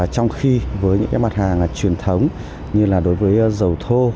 trong khi với những cái mặt hàng là truyền thống như là đối với dầu thô